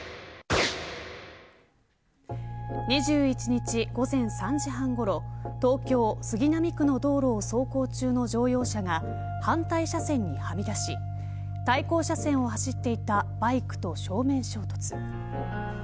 ２１日、午前３時半ごろ東京、杉並区の道路を走行中の乗用車が反対車線にはみ出し対向車線を走っていたバイクと正面衝突。